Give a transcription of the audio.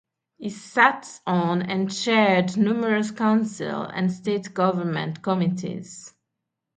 He sat on and chaired numerous council and state government committees.